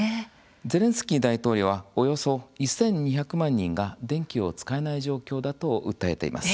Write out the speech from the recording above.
ゼレンスキー大統領はおよそ１２００万人が電気を使えない状況だと訴えています。